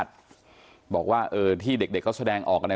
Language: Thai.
โปรดติดตามต่อไป